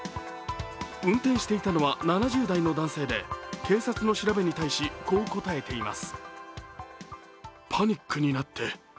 運転していたのは７０代の男性で警察の調べに対しこう答えています。